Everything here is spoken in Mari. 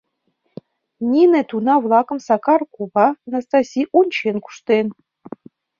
— Нине туна-влакым Сакар кува, Настаси, ончен куштен.